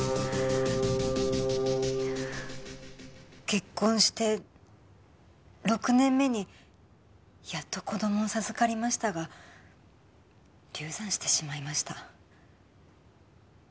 結婚して６年目にやっと子供を授かりましたが流産してしまいました。